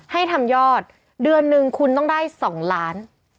ให้ทำยอดเดือนหนึ่งคุณต้องได้๒ล้าน